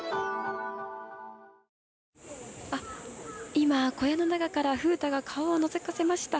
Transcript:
今、小屋の中から風太が顔をのぞかせました。